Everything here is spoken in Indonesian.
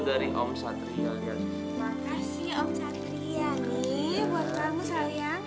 makasih om satria nih buat kamu sayang